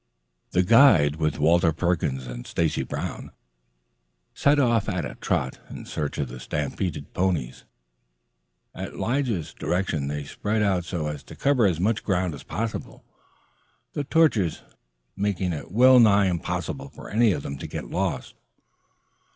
The guide, with Walter Perkins and Stacy Brown, set off at a trot in search of the stampeded ponies. At Lige's direction they spread out so as to cover as much ground as possible, the torches making it well nigh impossible for any of them to get lost.